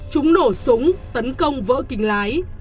chúng nổ súng tấn công vỡ kình lái